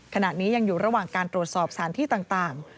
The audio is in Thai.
ขณะนี้ยังอยู่ระหว่างการตรวจสอบสถานที่ต่าง